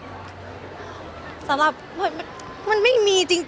พอเรียนอฟฟิตแบบนี้แล้วเราต้องเปลี่ยนไหมค่ะ